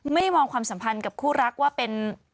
มองความสัมพันธ์กับคู่รักว่าเป็น